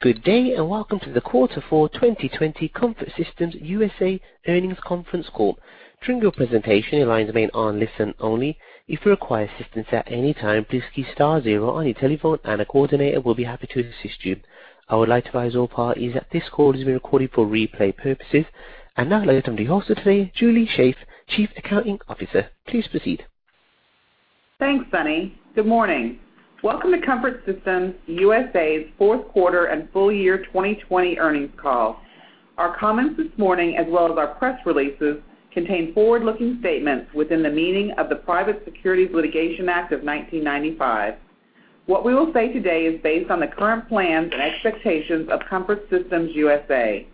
Good day and welcome to the quarter four 2020 Comfort Systems USA earnings conference call. During your presentation, your lines may be on listen only. If you require assistance at any time, please key star zero on your telephone, and a coordinator will be happy to assist you. I would like to advise all parties that this call is being recorded for replay purposes. Now, I'd like to turn to your host for today, Julie Shaeff, Chief Accounting Officer. Please proceed. Thanks, Sunny. Good morning. Welcome to Comfort Systems USA's fourth quarter and full year 2020 earnings call. Our comments this morning, as well as our press releases, contain forward-looking statements within the meaning of the Private Securities Litigation Act of 1995. What we will say today is based on the current plans and expectations of Comfort Systems U.S.A..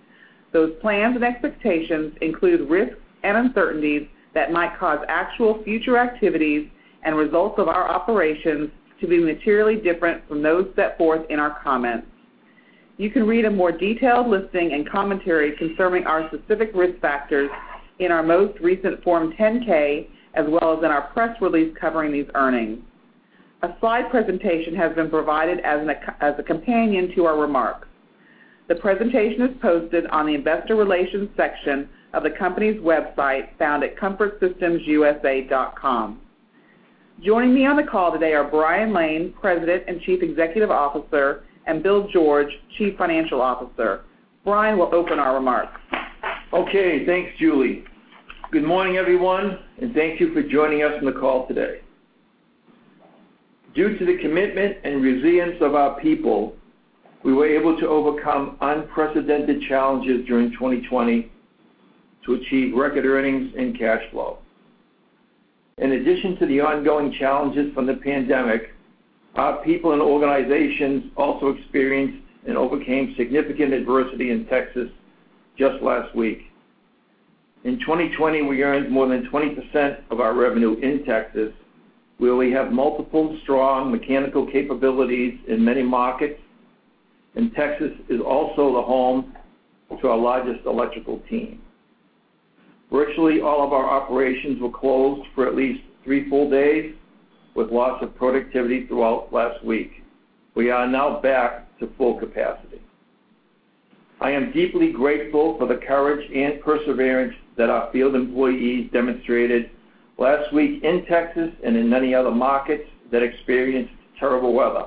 Those plans and expectations include risks and uncertainties that might cause actual future activities and results of our operations to be materially different from those set forth in our comments. You can read a more detailed listing and commentary concerning our specific risk factors in our most recent Form 10-K, as well as in our press release covering these earnings. A slide presentation has been provided as a companion to our remarks. The presentation is posted on the investor relations section of the company's website found at comfortsystemsusa.com. Joining me on the call today are Brian Lane, President and Chief Executive Officer, and Bill George, Chief Financial Officer. Brian will open our remarks. Okay. Thanks, Julie. Good morning, everyone, and thank you for joining us on the call today. Due to the commitment and resilience of our people, we were able to overcome unprecedented challenges during 2020 to achieve record earnings and cash flow. In addition to the ongoing challenges from the pandemic, our people and organizations also experienced and overcame significant adversity in Texas just last week. In 2020, we earned more than 20% of our revenue in Texas, where we have multiple strong mechanical capabilities in many markets, and Texas is also the home to our largest electrical team. Virtually all of our operations were closed for at least three full days, with lots of productivity throughout last week. We are now back to full capacity. I am deeply grateful for the courage and perseverance that our field employees demonstrated last week in Texas and in many other markets that experienced terrible weather.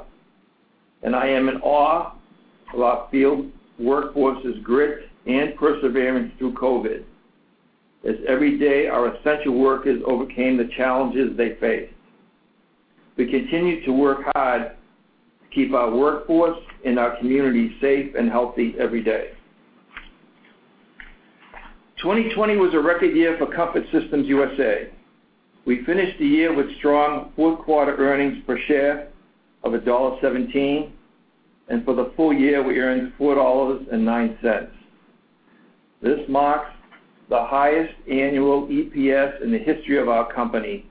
I am in awe of our field workforce's grit and perseverance through COVID, as every day our essential workers overcame the challenges they faced. We continue to work hard to keep our workforce and our community safe and healthy every day. 2020 was a record year for Comfort Systems U.S.A.. We finished the year with strong fourth quarter earnings per share of $1.17, and for the full year, we earned $4.09. This marks the highest annual EPS in the history of our company,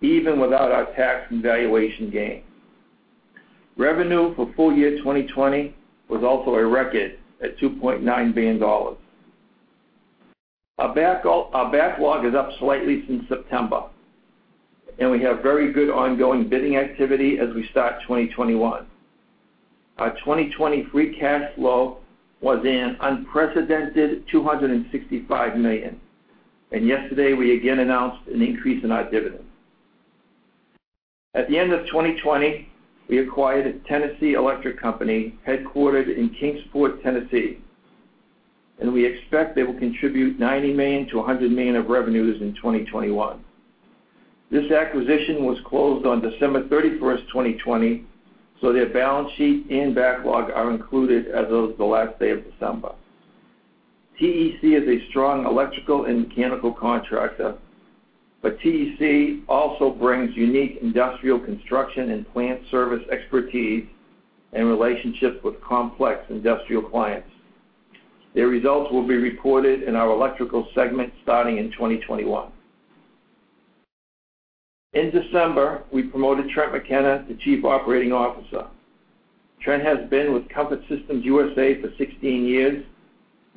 even without our tax and valuation gains. Revenue for full year 2020 was also a record at $2.9 billion. Our backlog is up slightly since September, and we have very good ongoing bidding activity as we start 2021. Our 2020 free cash flow was an unprecedented $265 million, and yesterday we again announced an increase in our dividend. At the end of 2020, we acquired Tennessee Electric Company, headquartered in Kingsport, Tennessee, and we expect they will contribute $90 million-$100 million of revenues in 2021. This acquisition was closed on December 31, 2020, so their balance sheet and backlog are included as of the last day of December. TEC is a strong electrical and mechanical contractor, but TEC also brings unique industrial construction and plant service expertise and relationships with complex industrial clients. Their results will be reported in our electrical segment starting in 2021. In December, we promoted Trent McKenna to Chief Operating Officer. Trent has been with Comfort Systems U.S.A. for 16 years,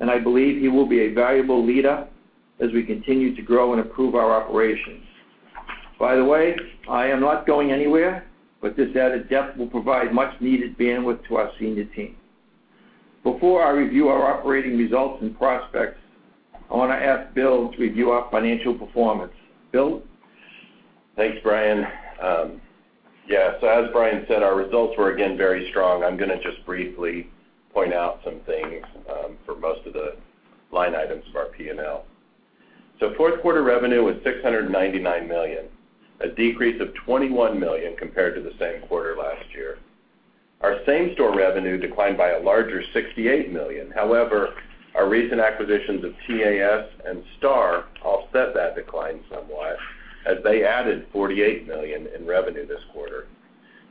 and I believe he will be a valuable leader as we continue to grow and improve our operations. By the way, I am not going anywhere, but this added depth will provide much-needed bandwidth to our senior team. Before I review our operating results and prospects, I want to ask Bill to review our financial performance. Bill? Thanks, Brian. Yeah, as Brian said, our results were again very strong. I'm going to just briefly point out some things for most of the line items of our P&L. Fourth quarter revenue was $699 million, a decrease of $21 million compared to the same quarter last year. Our same-store revenue declined by a larger $68 million. However, our recent acquisitions of TAS and STAR offset that decline somewhat, as they added $48 million in revenue this quarter.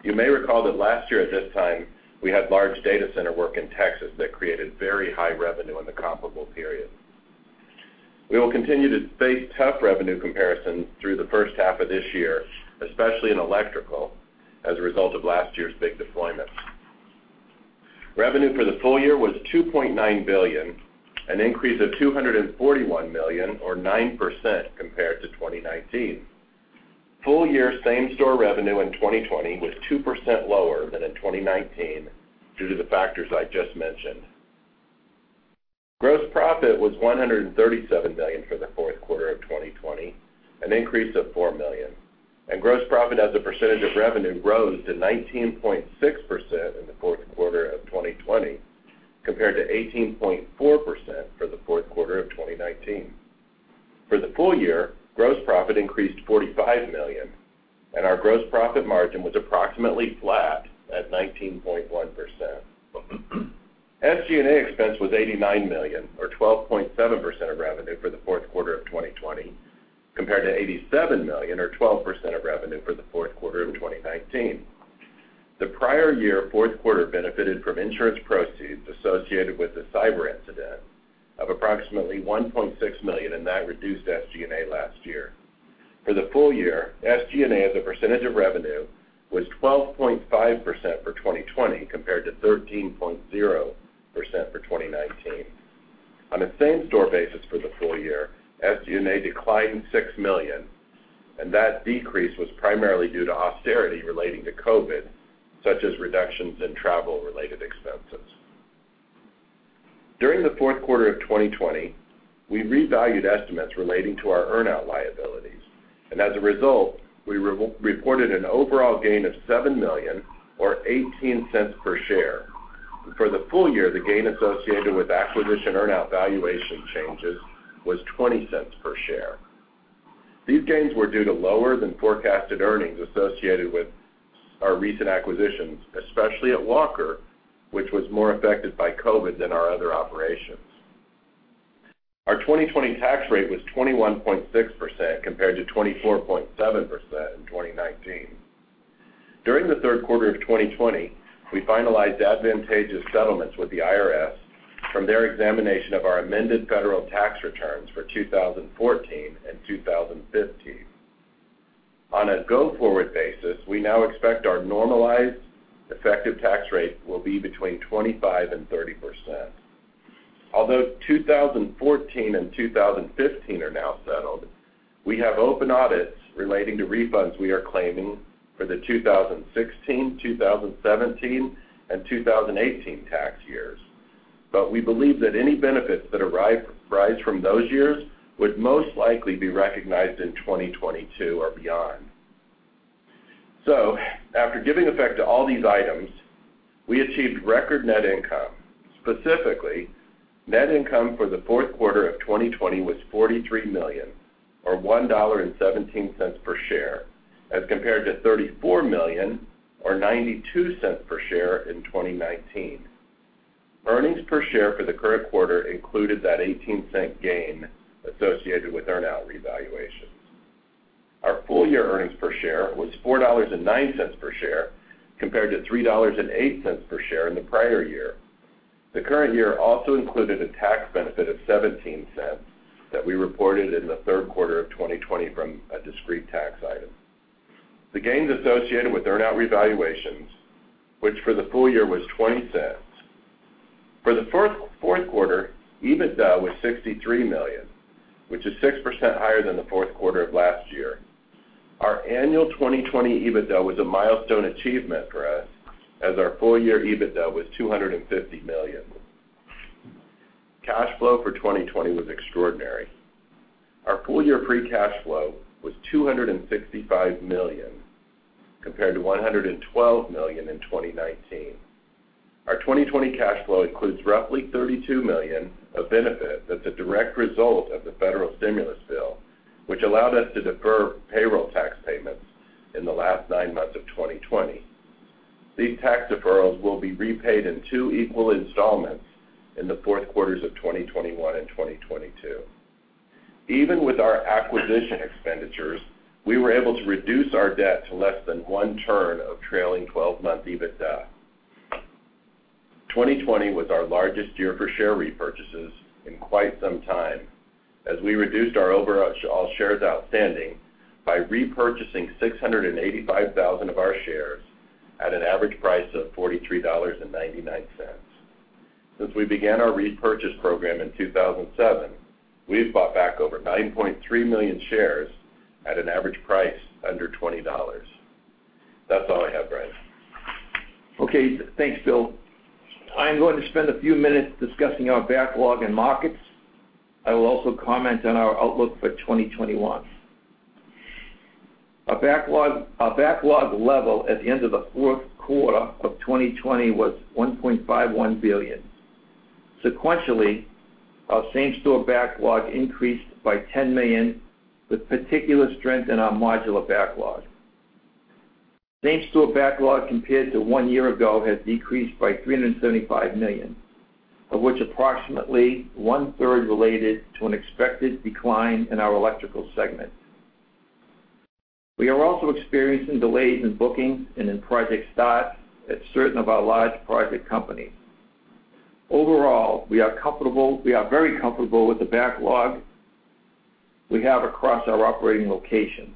You may recall that last year at this time, we had large data center work in Texas that created very high revenue in the comparable period. We will continue to face tough revenue comparisons through the first half of this year, especially in electrical, as a result of last year's big deployments. Revenue for the full year was $2.9 billion, an increase of $241 million, or 9% compared to 2019. Full year same-store revenue in 2020 was 2% lower than in 2019 due to the factors I just mentioned. Gross profit was $137 million for the fourth quarter of 2020, an increase of $4 million. Gross profit as a percentage of revenue rose to 19.6% in the fourth quarter of 2020, compared to 18.4% for the fourth quarter of 2019. For the full year, gross profit increased $45 million, and our gross profit margin was approximately flat at 19.1%. SG&A expense was $89 million, or 12.7% of revenue for the fourth quarter of 2020, compared to $87 million, or 12% of revenue for the fourth quarter of 2019. The prior year fourth quarter benefited from insurance proceeds associated with the cyber incident of approximately $1.6 million, and that reduced SG&A last year. For the full year, SG&A as a percentage of revenue was 12.5% for 2020, compared to 13.0% for 2019. On a same-store basis for the full year, SG&A declined $6 million, and that decrease was primarily due to austerity relating to COVID, such as reductions in travel-related expenses. During the fourth quarter of 2020, we revalued estimates relating to our earn-out liabilities, and as a result, we reported an overall gain of $7 million, or $0.18 per share. For the full year, the gain associated with acquisition earn-out valuation changes was $0.20 per share. These gains were due to lower than forecasted earnings associated with our recent acquisitions, especially at Walker, which was more affected by COVID than our other operations. Our 2020 tax rate was 21.6% compared to 24.7% in 2019. During the third quarter of 2020, we finalized advantageous settlements with the IRS from their examination of our amended federal tax returns for 2014 and 2015. On a go-forward basis, we now expect our normalized effective tax rate will be between 25-30%. Although 2014 and 2015 are now settled, we have open audits relating to refunds we are claiming for the 2016, 2017, and 2018 tax years, but we believe that any benefits that arise from those years would most likely be recognized in 2022 or beyond. After giving effect to all these items, we achieved record net income. Specifically, net income for the fourth quarter of 2020 was $43 million, or $1.17 per share, as compared to $34 million, or $0.92 per share in 2019. Earnings per share for the current quarter included that $0.18 gain associated with earn-out revaluations. Our full year earnings per share was $4.09 per share, compared to $3.08 per share in the prior year. The current year also included a tax benefit of $0.17 that we reported in the third quarter of 2020 from a discrete tax item. The gains associated with earn-out revaluations, which for the full year was $0.20. For the fourth quarter, EBITDA was $63 million, which is 6% higher than the fourth quarter of last year. Our annual 2020 EBITDA was a milestone achievement for us, as our full year EBITDA was $250 million. Cash flow for 2020 was extraordinary. Our full year free cash flow was $265 million, compared to $112 million in 2019. Our 2020 cash flow includes roughly $32 million of benefit that's a direct result of the federal stimulus bill, which allowed us to defer payroll tax payments in the last nine months of 2020. These tax deferrals will be repaid in two equal installments in the fourth quarters of 2021 and 2022. Even with our acquisition expenditures, we were able to reduce our debt to less than one turn of trailing 12-month EBITDA. 2020 was our largest year for share repurchases in quite some time, as we reduced our overall shares outstanding by repurchasing 685,000 of our shares at an average price of $43.99. Since we began our repurchase program in 2007, we've bought back over 9.3 million shares at an average price under $20. That's all I have, Brian. Okay. Thanks, Bill. I'm going to spend a few minutes discussing our backlog and markets. I will also comment on our outlook for 2021. Our backlog level at the end of the fourth quarter of 2020 was $1.51 billion. Sequentially, our same-store backlog increased by $10 million, with particular strength in our modular backlog. Same-store backlog compared to one year ago has decreased by $375 million, of which approximately one-third related to an expected decline in our electrical segment. We are also experiencing delays in bookings and in project starts at certain of our large project companies. Overall, we are very comfortable with the backlog we have across our operating locations.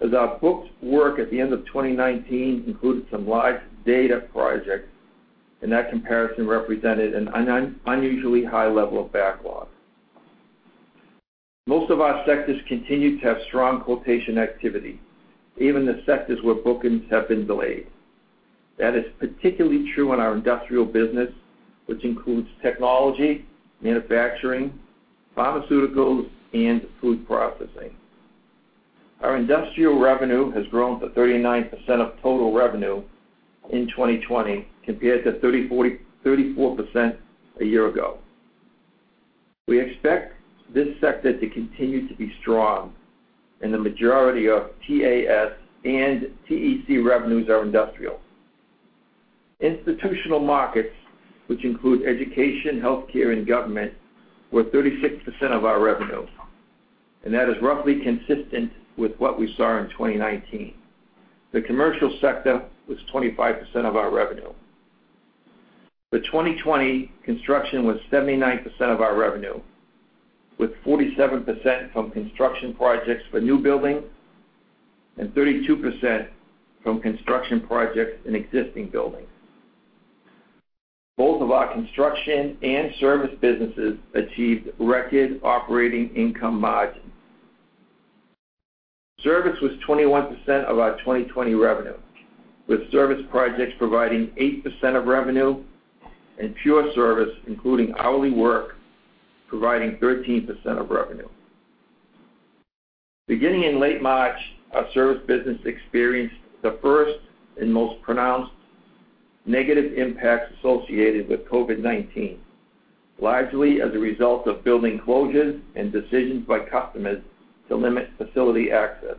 As our booked work at the end of 2019 included some large data projects, and that comparison represented an unusually high level of backlog. Most of our sectors continue to have strong quotation activity, even the sectors where bookings have been delayed. That is particularly true in our industrial business, which includes technology, manufacturing, pharmaceuticals, and food processing. Our industrial revenue has grown to 39% of total revenue in 2020, compared to 34% a year ago. We expect this sector to continue to be strong, and the majority of TAS and TEC revenues are industrial. Institutional markets, which include education, healthcare, and government, were 36% of our revenue, and that is roughly consistent with what we saw in 2019. The commercial sector was 25% of our revenue. For 2020, construction was 79% of our revenue, with 47% from construction projects for new buildings and 32% from construction projects in existing buildings. Both of our construction and service businesses achieved record operating income margins. Service was 21% of our 2020 revenue, with service projects providing 8% of revenue, and pure service, including hourly work, providing 13% of revenue. Beginning in late March, our service business experienced the first and most pronounced negative impacts associated with COVID-19, largely as a result of building closures and decisions by customers to limit facility access.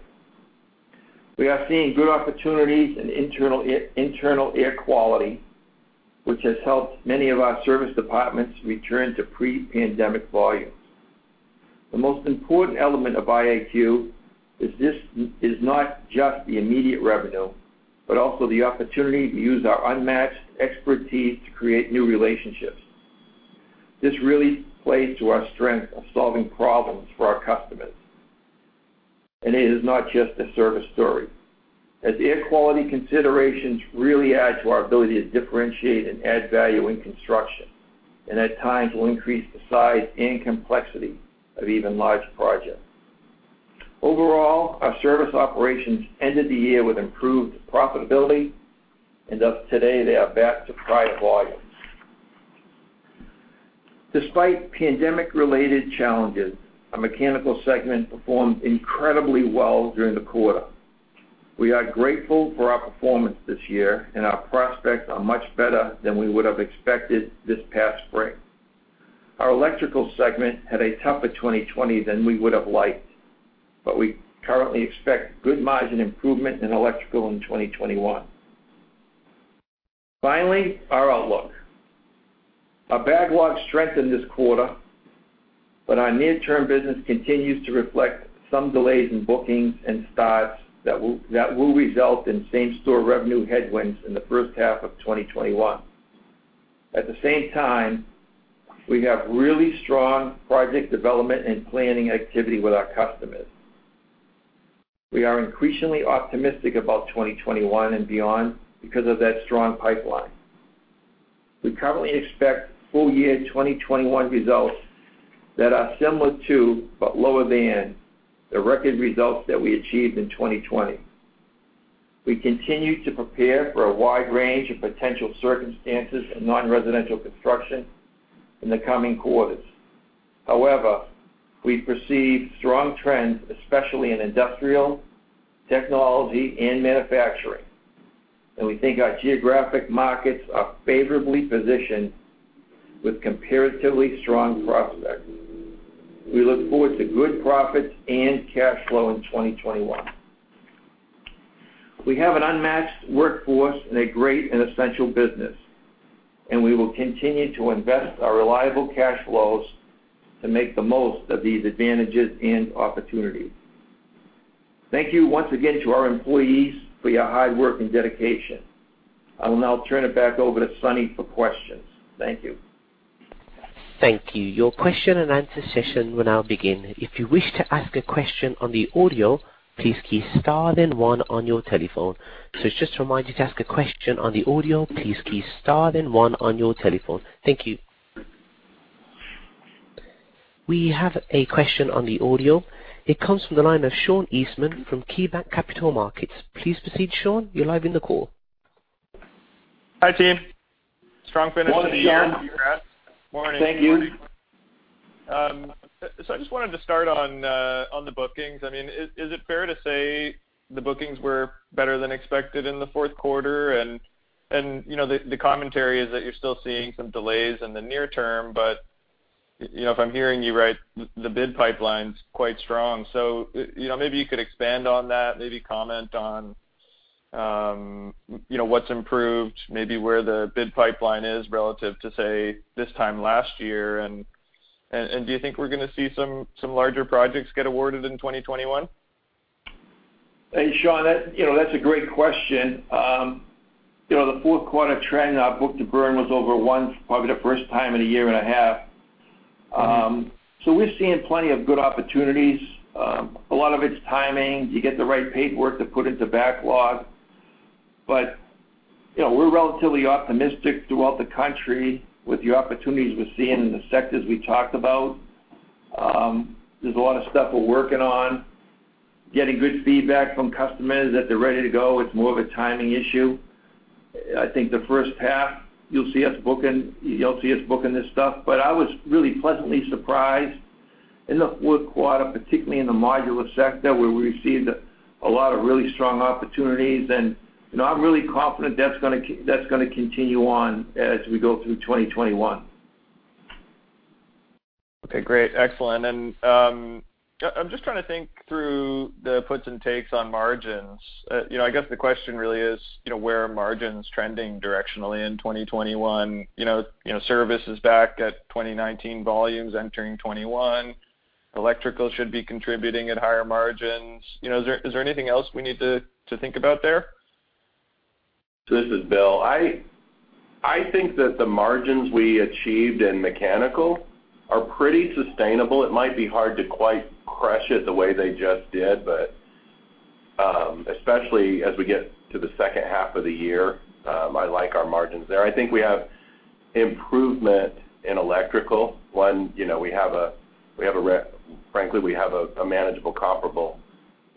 We are seeing good opportunities in internal air quality, which has helped many of our service departments return to pre-pandemic volumes. The most important element of IAQ is this is not just the immediate revenue, but also the opportunity to use our unmatched expertise to create new relationships. This really plays to our strength of solving problems for our customers, and it is not just a service story. As air quality considerations really add to our ability to differentiate and add value in construction, and at times will increase the size and complexity of even large projects. Overall, our service operations ended the year with improved profitability, and thus today they are back to prior volumes. Despite pandemic-related challenges, our mechanical segment performed incredibly well during the quarter. We are grateful for our performance this year, and our prospects are much better than we would have expected this past spring. Our electrical segment had a tougher 2020 than we would have liked, but we currently expect good margin improvement in electrical in 2021. Finally, our outlook. Our backlog strengthened this quarter, but our near-term business continues to reflect some delays in bookings and starts that will result in same-store revenue headwinds in the first half of 2021. At the same time, we have really strong project development and planning activity with our customers. We are increasingly optimistic about 2021 and beyond because of that strong pipeline. We currently expect full year 2021 results that are similar to, but lower than, the record results that we achieved in 2020. We continue to prepare for a wide range of potential circumstances in non-residential construction in the coming quarters. However, we perceive strong trends, especially in industrial, technology, and manufacturing, and we think our geographic markets are favorably positioned with comparatively strong prospects. We look forward to good profits and cash flow in 2021. We have an unmatched workforce and a great and essential business, and we will continue to invest our reliable cash flows to make the most of these advantages and opportunities. Thank you once again to our employees for your hard work and dedication. I will now turn it back over to Sunny for questions. Thank you. Thank you. Your question and answer session will now begin. If you wish to ask a question on the audio, please key star then one on your telephone. Just to remind you, to ask a question on the audio, please key star then one on your telephone. Thank you. We have a question on the audio. It comes from the line of Sean Eastman from KeyBanc Capital Markets. Please proceed, Sean. You're live on the call. Hi, team. Strong finish. Morning, Sean. Morning. Thank you. I just wanted to start on the bookings. I mean, is it fair to say the bookings were better than expected in the fourth quarter? The commentary is that you're still seeing some delays in the near term, but if I'm hearing you right, the bid pipeline's quite strong. Maybe you could expand on that, maybe comment on what's improved, maybe where the bid pipeline is relative to, say, this time last year. Do you think we're going to see some larger projects get awarded in 2021? Hey, Sean, that's a great question. The fourth quarter trend, our book to burn was over one for probably the first time in a year and a half. We're seeing plenty of good opportunities. A lot of it's timing. You get the right paperwork to put into backlog. We're relatively optimistic throughout the country with the opportunities we're seeing in the sectors we talked about. There's a lot of stuff we're working on, getting good feedback from customers that they're ready to go. It's more of a timing issue. I think the first half, you'll see us booking this stuff. I was really pleasantly surprised in the fourth quarter, particularly in the modular sector, where we received a lot of really strong opportunities. I'm really confident that's going to continue on as we go through 2021. Okay. Great. Excellent. I'm just trying to think through the puts and takes on margins. I guess the question really is, where are margins trending directionally in 2021? Service is back at 2019 volumes entering 2021. Electrical should be contributing at higher margins. Is there anything else we need to think about there? This is Bill. I think that the margins we achieved in mechanical are pretty sustainable. It might be hard to quite crush it the way they just did, but especially as we get to the second half of the year, I like our margins there. I think we have improvement in electrical. One, we have a—frankly, we have a manageable comparable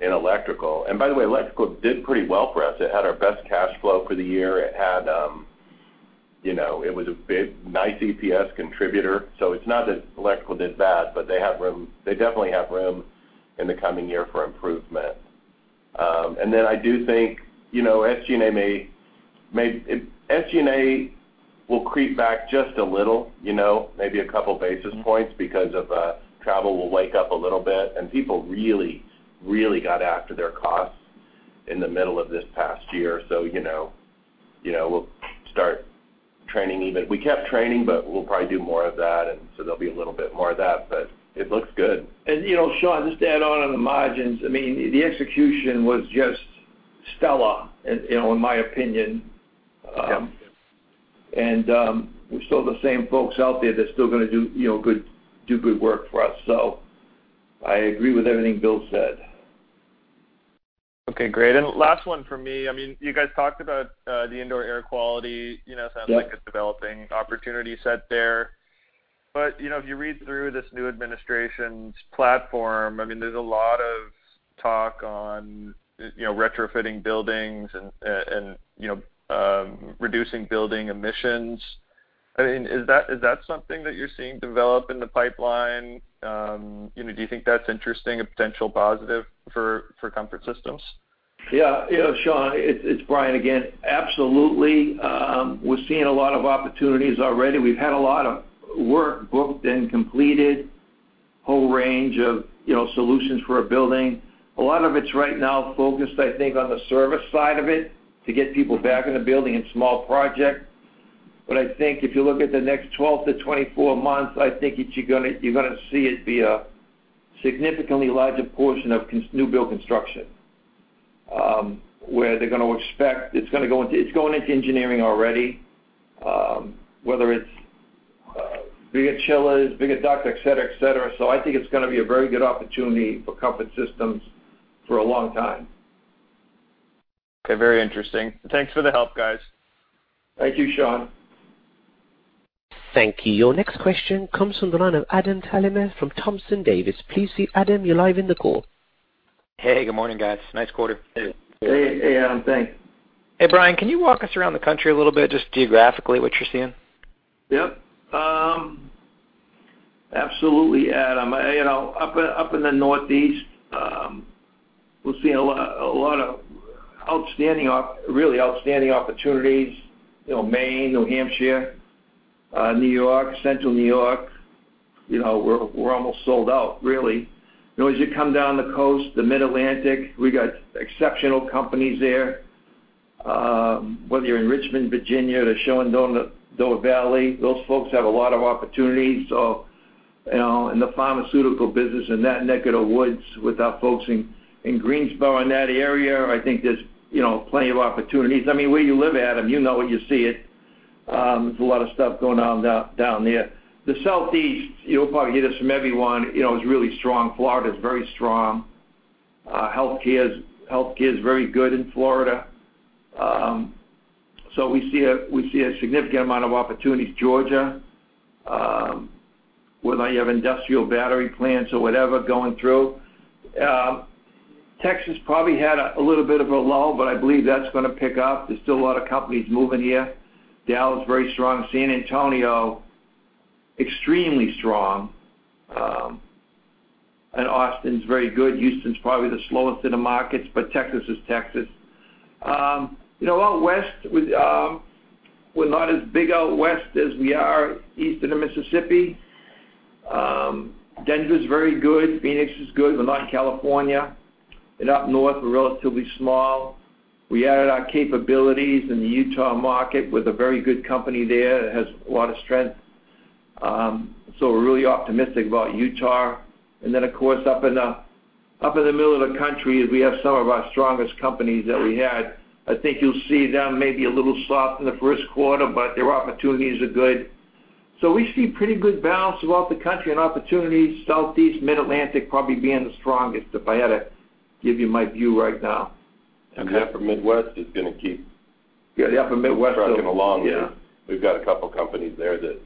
in electrical. By the way, electrical did pretty well for us. It had our best cash flow for the year. It was a nice EPS contributor. It's not that electrical did bad, but they definitely have room in the coming year for improvement. I do think SG&A may SG&A will creep back just a little, maybe a couple of basis points because travel will wake up a little bit. People really, really got after their costs in the middle of this past year. We kept training, but we'll probably do more of that. There'll be a little bit more of that, but it looks good. Sean, just to add on on the margins, I mean, the execution was just stellar, in my opinion. And we're still the same folks out there that's still going to do good work for us. I agree with everything Bill said. Okay. Great. Last one for me. I mean, you guys talked about the indoor air quality. Sounds like a developing opportunity set there. If you read through this new administration's platform, I mean, there's a lot of talk on retrofitting buildings and reducing building emissions. I mean, is that something that you're seeing develop in the pipeline? Do you think that's interesting, a potential positive for Comfort Systems U.S.A.? Yeah. Sean, it's Brian again. Absolutely. We're seeing a lot of opportunities already. We've had a lot of work booked and completed, a whole range of solutions for a building. A lot of it's right now focused, I think, on the service side of it to get people back in the building in small projects. I think if you look at the next 12-24 months, I think you're going to see it be a significantly larger portion of new-build construction where they're going to expect it's going into engineering already, whether it's bigger chillers, bigger ducts, etc., etc. I think it's going to be a very good opportunity for Comfort Systems U.S.A. for a long time. Okay. Very interesting. Thanks for the help, guys. Thank you, Sean. Thank you. Your next question comes from the line of Adam Thalhimer from Thomson Davis. Please see Adam, you're live in the call. Hey. Good morning, guys. Nice quarter. Hey. Hey, Adam. Thanks. Hey, Brian. Can you walk us around the country a little bit, just geographically, what you're seeing? Yep. Absolutely, Adam. Up in the Northeast, we're seeing a lot of outstanding, really outstanding opportunities: Maine, New Hampshire, New York, Central New York. We're almost sold out, really. As you come down the coast, the Mid-Atlantic, we got exceptional companies there. Whether you're in Richmond, Virginia, the Shenandoah Valley, those folks have a lot of opportunities. In the pharmaceutical business and that neck of the woods with our folks in Greensboro in that area, I think there's plenty of opportunities. I mean, where you live, Adam, you know it, you see it. There's a lot of stuff going on down there. The Southeast, you'll probably hear this from everyone, is really strong. Florida is very strong. Healthcare is very good in Florida. We see a significant amount of opportunities. Georgia, whether you have industrial battery plants or whatever going through. Texas probably had a little bit of a lull, but I believe that's going to pick up. There's still a lot of companies moving here. Dallas is very strong. San Antonio, extremely strong. Austin's very good. Houston's probably the slowest in the markets, but Texas is Texas. Out west, we're not as big out west as we are east of the Mississippi. Denver's very good. Phoenix is good. We're not in California. Up north, we're relatively small. We added our capabilities in the Utah market with a very good company there that has a lot of strength. We're really optimistic about Utah. Of course, up in the middle of the country, we have some of our strongest companies that we had. I think you'll see them maybe a little soft in the first quarter, but their opportunities are good. We see pretty good balance throughout the country and opportunities. Southeast, Mid-Atlantic probably being the strongest, if I had to give you my view right now. The upper Midwest is going to keep. Yeah. The Upper Midwest. Striking along. We've got a couple of companies there that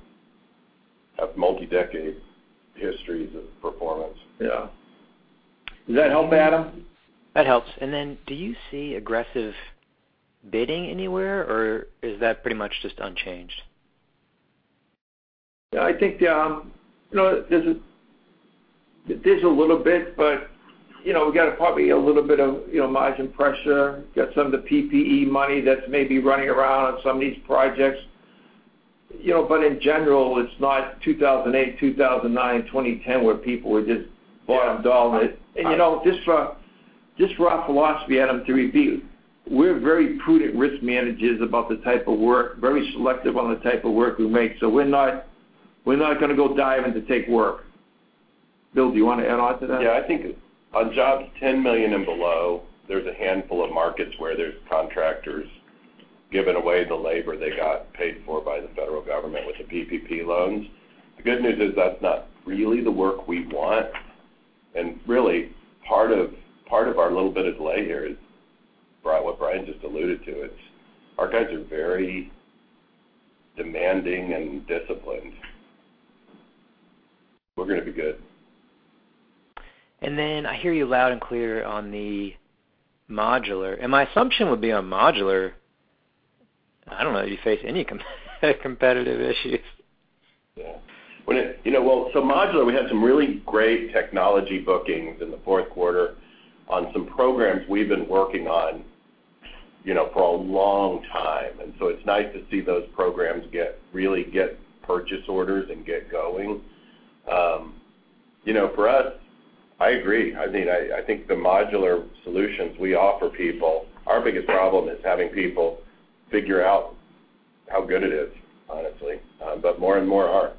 have multi-decade histories of performance. Yeah. Does that help, Adam? That helps. Do you see aggressive bidding anywhere, or is that pretty much just unchanged? Yeah. I think there's a little bit, but we got probably a little bit of margin pressure. Got some of the PPP money that's maybe running around on some of these projects. In general, it's not 2008, 2009, 2010 where people were just bottom-dolling it. Just for our philosophy, Adam, to repeat, we're very prudent risk managers about the type of work, very selective on the type of work we make. We're not going to go dive in to take work. Bill, do you want to add on to that? Yeah. I think on jobs $10 million and below, there's a handful of markets where there's contractors giving away the labor they got paid for by the federal government with the PPP loans. The good news is that's not really the work we want. And really, part of our little bit of delay here is what Brian just alluded to. Our guys are very demanding and disciplined. We're going to be good. I hear you loud and clear on the modular. My assumption would be on modular, I don't know, do you face any competitive issues? Yeah. Modular, we had some really great technology bookings in the fourth quarter on some programs we've been working on for a long time. It is nice to see those programs really get purchase orders and get going. For us, I agree. I mean, I think the modular solutions we offer people, our biggest problem is having people figure out how good it is, honestly. More and more are.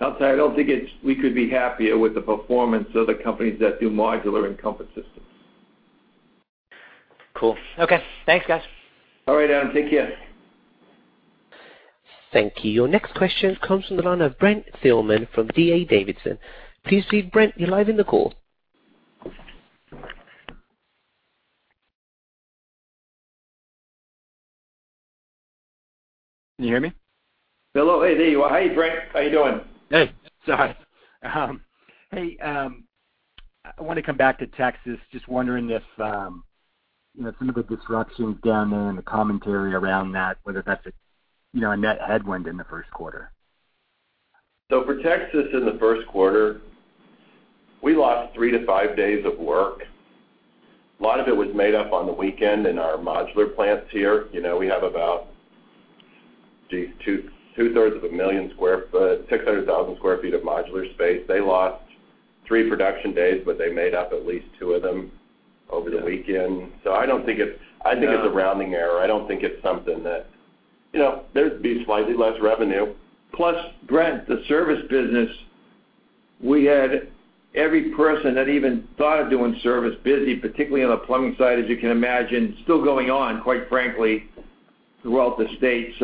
I'll tell you, I don't think we could be happier with the performance of the companies that do modular and Comfort Systems U.S.A.. Cool. Okay. Thanks, guys. All right, Adam. Take care. Thank you. Your next question comes from the line of Brent Thielman from D.A. Davidson. Please see Brent, you're live in the call. Can you hear me? Hello? Hey, there you are. Hey, Brent. How you doing? Hey. Sorry. Hey, I want to come back to Texas, just wondering if some of the disruptions down there and the commentary around that, whether that's a net headwind in the first quarter. For Texas in the first quarter, we lost three to five days of work. A lot of it was made up on the weekend in our modular plants here. We have about two-thirds of a million sq ft, 600,000 sq ft of modular space. They lost three production days, but they made up at least two of them over the weekend. I do not think it is—I think it is a rounding error. I do not think it is something that there would be slightly less revenue. Plus, Brent, the service business, we had every person that even thought of doing service busy, particularly on the plumbing side, as you can imagine, still going on, quite frankly, throughout the state.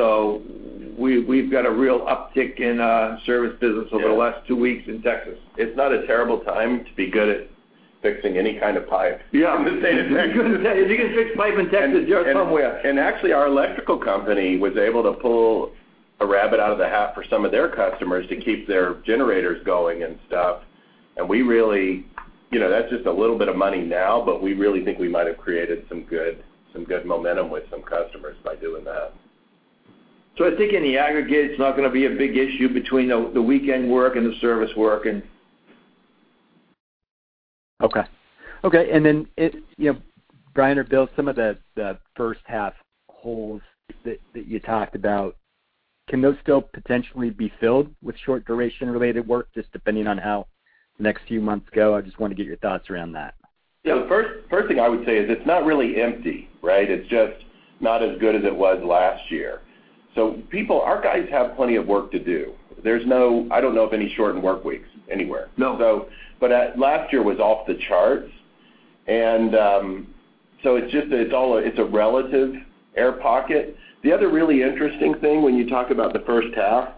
We have a real uptick in service business over the last two weeks in Texas. It's not a terrible time to be good at fixing any kind of pipe. Yeah. I'm just saying in Texas. If you can fix pipe in Texas, you're somewhere. Actually, our electrical company was able to pull a rabbit out of the hat for some of their customers to keep their generators going and stuff. We really—that's just a little bit of money now, but we really think we might have created some good momentum with some customers by doing that. I think in the aggregate, it's not going to be a big issue between the weekend work and the service work. Okay. Okay. Brian or Bill, some of the first half holes that you talked about, can those still potentially be filled with short-duration-related work, just depending on how the next few months go? I just want to get your thoughts around that. Yeah. The first thing I would say is it's not really empty, right? It's just not as good as it was last year. So our guys have plenty of work to do. There's no I don't know of any shortened work weeks anywhere. Last year was off the charts. It is a relative air pocket. The other really interesting thing when you talk about the first half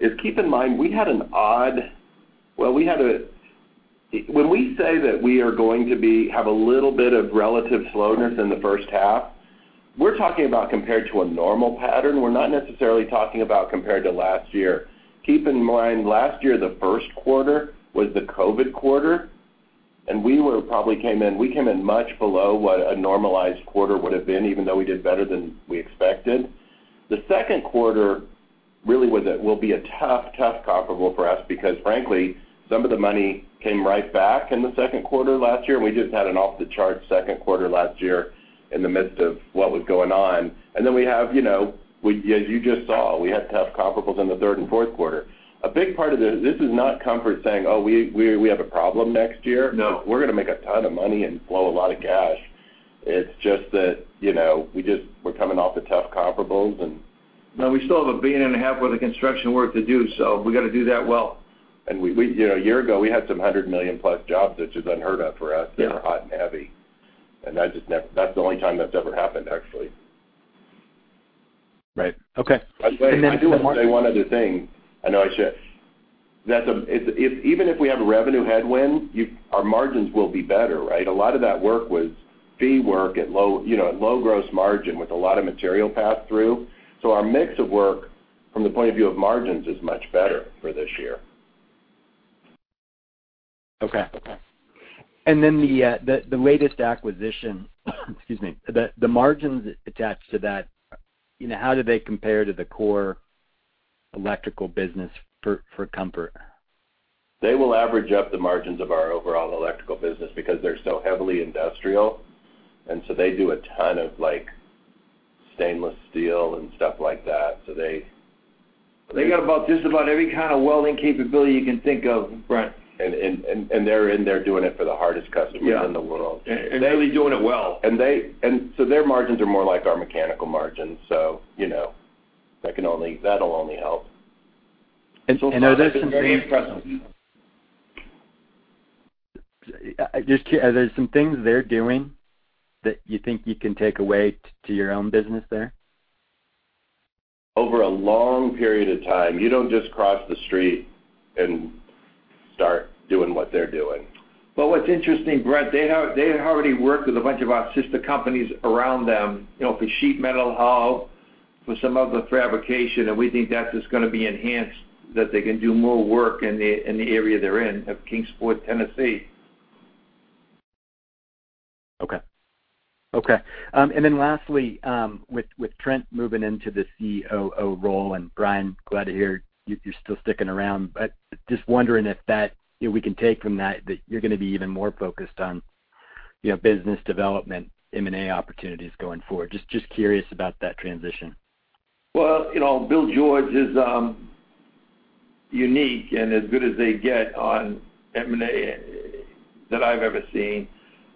is keep in mind we had an odd well, we had a when we say that we are going to have a little bit of relative slowness in the first half, we're talking about compared to a normal pattern. We're not necessarily talking about compared to last year. Keep in mind last year, the first quarter was the COVID quarter. We were probably—we came in much below what a normalized quarter would have been, even though we did better than we expected. The second quarter really will be a tough, tough comparable for us because, frankly, some of the money came right back in the second quarter last year. We just had an off-the-chart second quarter last year in the midst of what was going on. We have, as you just saw, tough comparables in the third and fourth quarter. A big part of this is not Comfort saying, "Oh, we have a problem next year." We're going to make a ton of money and blow a lot of cash. It's just that we're coming off of tough comparables. We still have $1.5 billion worth of construction work to do, so we got to do that well. A year ago, we had some $100 million-plus jobs, which is unheard of for us. They were hot and heavy. And that's the only time that's ever happened, actually. Right. Okay. And then. I do want to say one other thing. I know I should. Even if we have a revenue headwind, our margins will be better, right? A lot of that work was fee work at low gross margin with a lot of material passed through. So our mix of work from the point of view of margins is much better for this year. Okay. The latest acquisition, excuse me, the margins attached to that, how do they compare to the core electrical business for Comfort? They will average up the margins of our overall electrical business because they're so heavily industrial. They do a ton of stainless steel and stuff like that. They. They got just about every kind of welding capability you can think of, Brent. They're in there doing it for the hardest customers in the world. Yeah. They're really doing it well. Their margins are more like our mechanical margins. So that'll only help. Are there some things they're doing that you think you can take away to your own business there? Over a long period of time, you don't just cross the street and start doing what they're doing. What's interesting, Brent, they already work with a bunch of our sister companies around them for sheet metal, hull, for some of the fabrication. We think that's just going to be enhanced, that they can do more work in the area they're in of Kingsport, Tennessee. Okay. Okay. Lastly, with Trent moving into the COO role, and Brian, glad to hear you're still sticking around, but just wondering if we can take from that that you're going to be even more focused on business development, M&A opportunities going forward. Just curious about that transition. Bill George is unique and as good as they get on M&A that I've ever seen.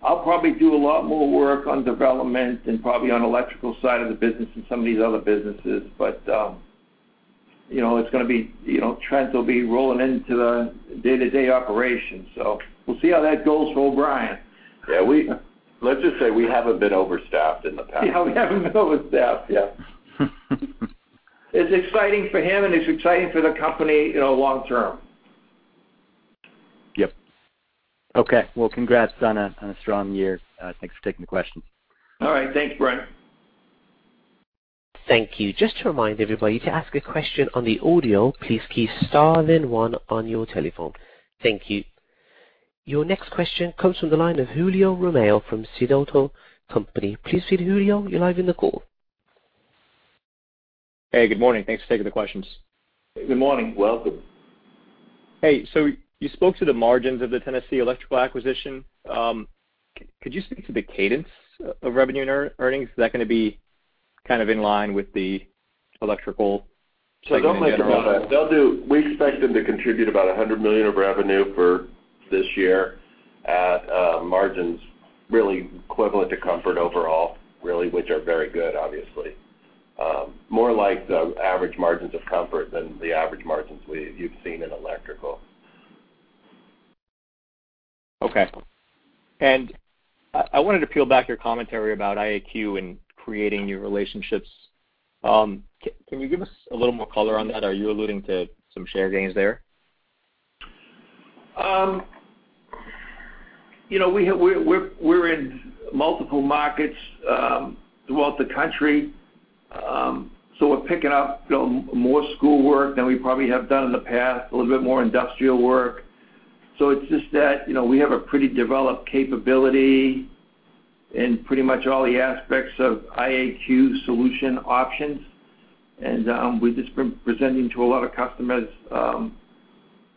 I'll probably do a lot more work on development and probably on the electrical side of the business and some of these other businesses. It is going to be Trent will be rolling into the day-to-day operations. We will see how that goes for O'Brien. Yeah. Let's just say we have a bit overstaffed in the past. Yeah. We have a bit overstaffed. Yeah. It's exciting for him, and it's exciting for the company long term. Yep. Okay. Congrats on a strong year. Thanks for taking the questions. All right. Thanks, Brent. Thank you. Just to remind everybody to ask a question on the audio, please keep star one on your telephone. Thank you. Your next question comes from the line of Julio Romeo from Sidoti Company. Please proceed, Julio. You're live on the call. Hey. Good morning. Thanks for taking the questions. Good morning. Welcome. Hey. You spoke to the margins of the Tennessee Electric Company acquisition. Could you speak to the cadence of revenue and earnings? Is that going to be kind of in line with the electrical? They'll make about a—we expect them to contribute about $100 million of revenue for this year at margins really equivalent to Comfort overall, really, which are very good, obviously. More like the average margins of Comfort than the average margins you've seen in electrical. Okay. I wanted to peel back your commentary about IAQ and creating new relationships. Can you give us a little more color on that? Are you alluding to some share gains there? We're in multiple markets throughout the country. We're picking up more schoolwork than we probably have done in the past, a little bit more industrial work. We have a pretty developed capability in pretty much all the aspects of IAQ solution options. We've just been presenting to a lot of customers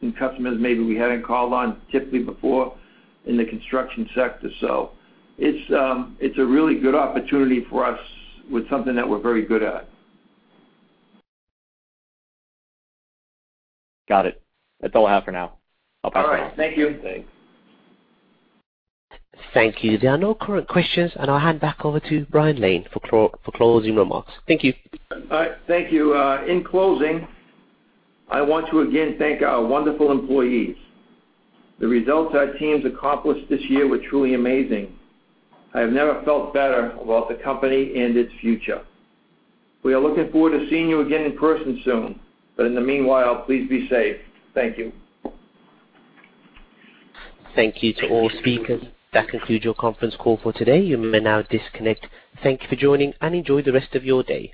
and customers maybe we hadn't called on typically before in the construction sector. It's a really good opportunity for us with something that we're very good at. Got it. That's all I have for now. I'll pass it off. All right. Thank you. Thanks. Thank you. There are no current questions, and I'll hand back over to Brian Lane for closing remarks. Thank you. Thank you. In closing, I want to again thank our wonderful employees. The results our teams accomplished this year were truly amazing. I have never felt better about the company and its future. We are looking forward to seeing you again in person soon. In the meanwhile, please be safe. Thank you. Thank you to all speakers. That concludes your conference call for today. You may now disconnect. Thank you for joining, and enjoy the rest of your day.